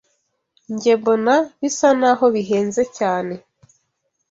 Njye mbona bisa naho bihenze cyane.